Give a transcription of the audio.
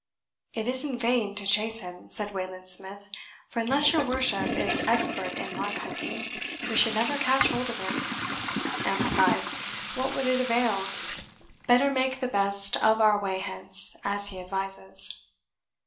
"It is in vain to chase him," said Wayland Smith; "for unless your worship is expert in lark hunting, we should never catch hold of him and besides, what would it avail? Better make the best of our way hence, as he advises."